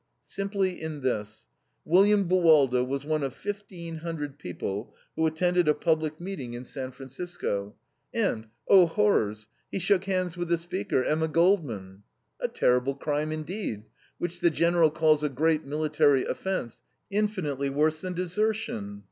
Simply in this: William Buwalda was one of fifteen hundred people who attended a public meeting in San Francisco; and, oh, horrors, he shook hands with the speaker, Emma Goldman. A terrible crime, indeed, which the General calls "a great military offense, infinitely worse than desertion."